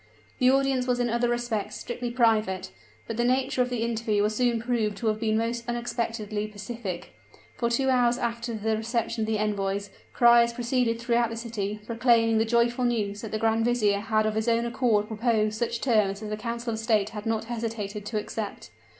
The audience was in other respects strictly private; but the nature of the interview was soon proved to have been most unexpectedly pacific; for two hours after the reception of the envoys, criers proceeded throughout the city, proclaiming the joyful news that the grand vizier had of his own accord proposed such terms as the council of state had not hesitated to accept.